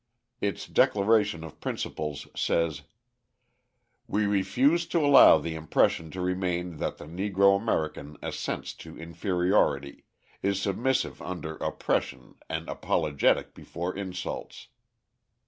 Its declaration of principles says: We refuse to allow the impression to remain that the Negro American assents to inferiority, is submissive under oppression and apologetic before insults.